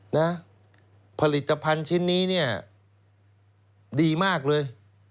นะผลิตภัณฑ์ชิ้นนี้เนี่ยดีมากเลย